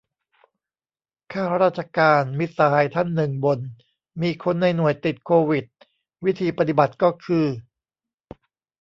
ข้าราชการ มิตรสหายท่านหนึ่ง บ่น มีคนในหน่วยติดโควิด วิธีปฏิบัติก็คือ